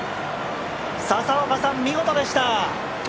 佐々岡さん、見事でした。